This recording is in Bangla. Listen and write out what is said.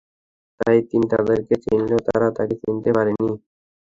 তাই তিনি তাদেরকে চিনলেও তারা তাকে চিনতে পারেনি।